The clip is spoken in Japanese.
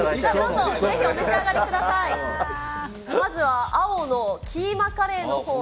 まずは青のキーマカレーのほう。